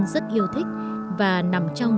rất yêu thích và nằm trong